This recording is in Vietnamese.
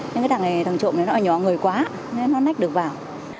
nhưng cái thằng này thằng trộm này nó nhỏ người quá nên nó nách được vào